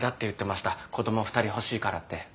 子供２人欲しいからって。